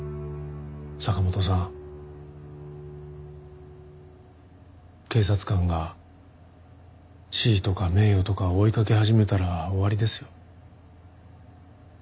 坂本さん警察官が地位とか名誉とかを追いかけ始めたら終わりですよ。